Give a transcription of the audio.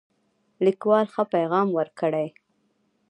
لیکوال ښه پیغام ورکړی.